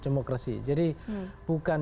demokrasi jadi bukan